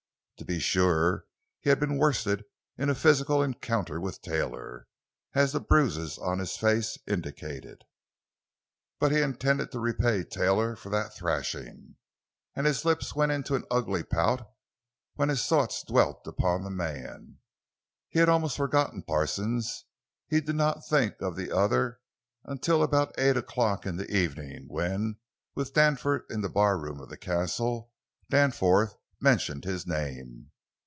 To be sure, he had been worsted in a physical encounter with Taylor, as the bruises still on his face indicated, but he intended to repay Taylor for that thrashing—and his lips went into an ugly pout when his thoughts dwelt upon the man. He had almost forgotten Parsons; he did not think of the other until about eight o'clock in the evening, when, with Danforth in the barroom of the Castle, Danforth mentioned his name.